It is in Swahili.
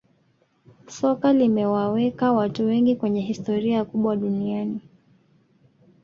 soka limewaweka watu wengi kwenye historia kubwa duniani